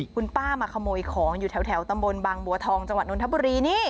คุณป้ามาขโมยของอยู่แถวตำบลบางบัวทองจังหวัดนทบุรีนี่